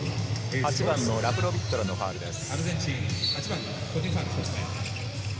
８番のラプロビットラのファウルでした。